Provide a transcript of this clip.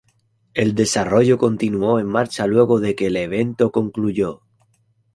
El desarrollo continuó en marcha luego de que el evento concluyó.